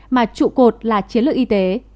mà trụ cột là chiến lược y tế